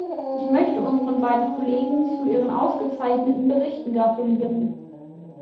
Ich möchte unseren beiden Kollegen zu ihren ausgezeichneten Berichten gratulieren.